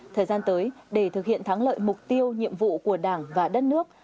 thời gian tới để thực hiện thắng lợi mục tiêu nhiệm vụ của đảng và đất nước